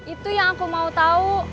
itu yang aku mau tahu